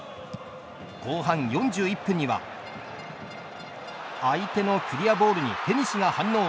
後半４１分には相手のクリアボールにヘニシが反応。